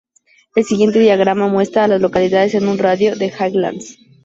El siguiente diagrama muestra a las localidades en un radio de de Highlands.